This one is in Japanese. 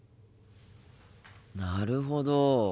なるほど。